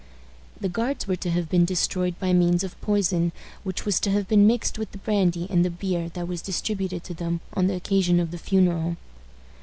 The Guards were to have been destroyed by means of poison, which was to have been mixed with the brandy and the beer that was distributed to them on the occasion of the funeral.